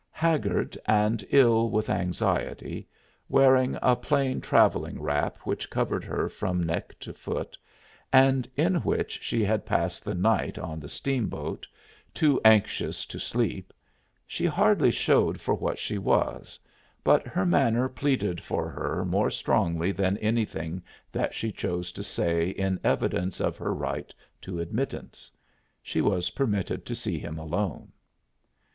Haggard and ill with anxiety, wearing a plain traveling wrap which covered her from neck to foot, and in which she had passed the night on the steamboat, too anxious to sleep, she hardly showed for what she was, but her manner pleaded for her more strongly than anything that she chose to say in evidence of her right to admittance. She was permitted to see him alone.